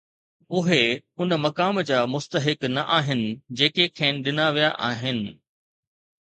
اهي ان مقام جا مستحق نه آهن، جيڪي کين ڏنا ويا آهن